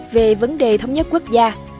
về vấn đề thống nhất quốc gia